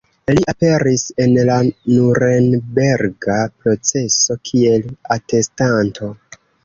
Li aperis en la Nurenberga proceso kiel atestanto.